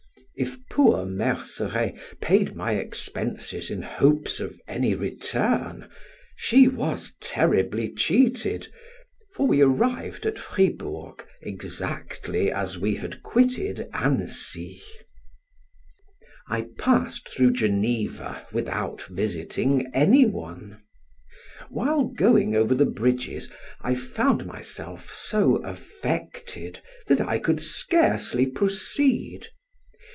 If poor Merceret paid my expenses in hopes of any return, she was terribly cheated, for we arrived at Fribourg exactly as we had quitted Annecy. I passed through Geneva without visiting any one. While going over the bridges, I found myself so affected that I could scarcely proceed.